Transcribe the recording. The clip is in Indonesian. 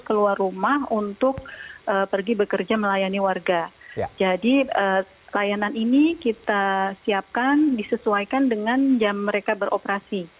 keluar rumah untuk pergi bekerja melayani warga jadi layanan ini kita siapkan disesuaikan dengan jam mereka beroperasi